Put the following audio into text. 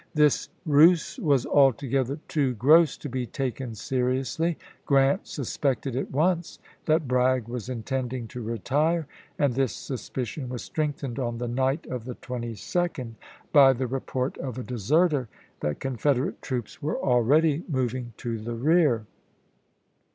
This ruse was altogether too gross to be taken seriously. Grant suspected at once that Bragg was intending to retii e, and this suspicion was strength ened on the night of the 22d by the report of a deserter that Confederate troops were already mov ing to the rear.